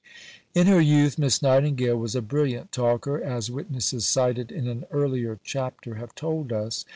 In her youth Miss Nightingale was a brilliant talker, as witnesses cited in an earlier chapter have told us.